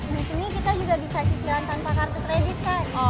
di sini kita juga bisa cicilan tanpa kartu kredit pak